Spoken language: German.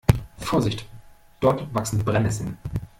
Vorsicht, dort wachsen Brennnesseln.